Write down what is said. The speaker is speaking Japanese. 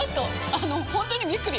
あの本当にびっくり！